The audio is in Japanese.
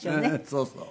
そうそう。